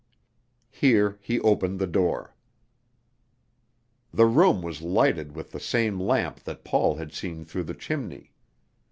Here he opened the door. The room was lighted with the same lamp that Paul had seen through the chimney.